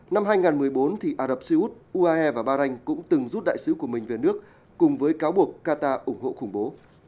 năm hai nghìn một mươi bốn ả rập xê út uae và bahrain cũng từng rút đại sứ của mình về nước cùng với cáo buộc qatar ủng hộ khủng bố